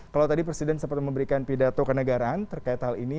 kalau tadi presiden sempat memberikan pidato kenegaraan terkait hal ini